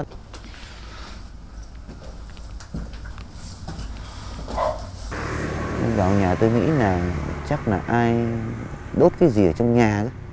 vậy hôm nay tôi đi vào trong nhà tôi nghĩ là chắc là ai đốt cái gì ở trong nhà